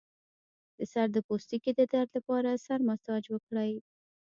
د سر د پوستکي د درد لپاره د سر مساج وکړئ